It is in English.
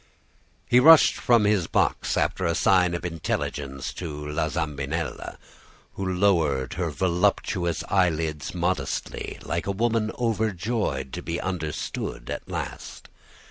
"He rushed from his box, after a sign of intelligence to La Zambinella, who lowered her voluptuous eyelids modestly, like a woman overjoyed to be understood at last.